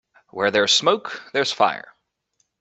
Where there's smoke there's fire.